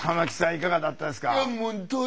いかがだったですか？